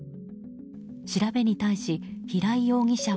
調べに対し、平井容疑者は。